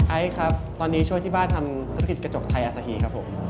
ไอซ์ครับตอนนี้ช่วยที่บ้านทำธุรกิจกระจกไทยอาศีครับผม